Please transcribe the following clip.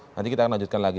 nanti kita akan lanjutkan lagi